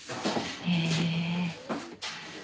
へえ。